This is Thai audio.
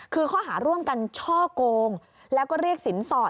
คือข้อหาร่วมกันช่อโกงแล้วก็เรียกสินสอด